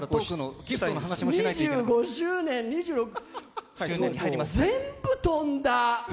２５周年、全部飛んだ！